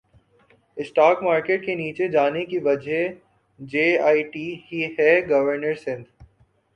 stock market کے نیچے جانے کی وجہ جے ائی ٹی ہے گورنر سندھ